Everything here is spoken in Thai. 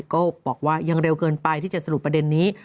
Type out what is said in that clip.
ก็บอกว่ายังเร็วเกินไปที่จะสรุปประเด็นนี้